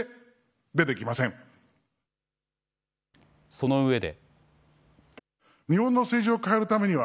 そのうえで。